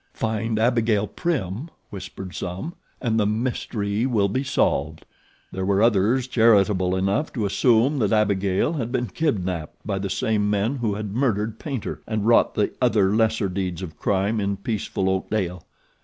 Find Abigail Prim, whispered some, and the mystery will be solved. There were others charitable enough to assume that Abigail had been kidnapped by the same men who had murdered Paynter and wrought the other lesser deeds of crime in peaceful Oakdale.